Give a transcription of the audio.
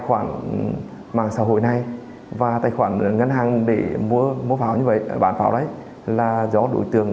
tài khoản mạng xã hội này và tài khoản ngân hàng để mua mua pháo như vậy bán pháo đấy là do đối tượng